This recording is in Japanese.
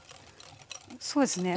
そうですね。